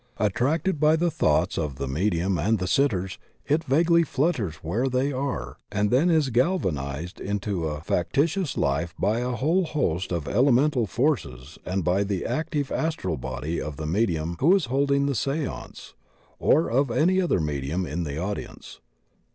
Attracted by the thoughts of the me dium and the sitters, it vaguely flutters where they are, and then is galvanized into a factitious life by a whole host of elemental forces and by the active astral body of the medium who is holding the seance or of any other medium in the audience.